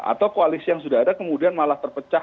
atau koalisi yang sudah ada kemudian malah terpecah